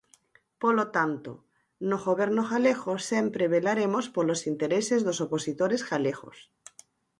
Polo tanto, no Goberno galego sempre velaremos polos intereses dos opositores galegos.